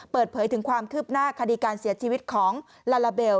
เปิดเผยถึงความคืบหน้าคดีการเสียชีวิตของลาลาเบล